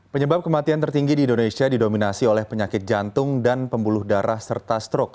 penyebab kematian tertinggi di indonesia didominasi oleh penyakit jantung dan pembuluh darah serta strok